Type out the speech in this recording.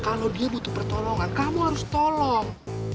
kalau dia butuh pertolongan kamu harus tolong